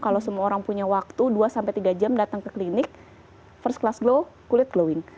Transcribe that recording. kalau semua orang punya waktu dua sampai tiga jam datang ke klinik first class glow kulit glowing